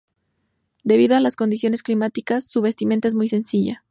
Debido a las condiciones climáticas, su vestimenta es muy sencilla.